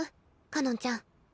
かのんちゃん。